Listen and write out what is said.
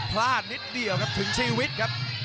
พลาดนิดเดียวครับถึงชีวิตครับ